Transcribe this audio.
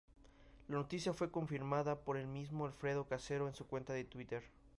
La noticia fue confirmada por el mismo Alfredo Casero en su cuenta de Twitter.